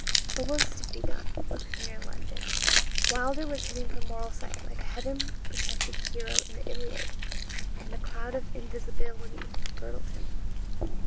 But what was to be done with mere 'London?' Wylder was hidden from mortal sight, like a heaven protected hero in the 'Iliad,' and a cloud of invisibility girdled him.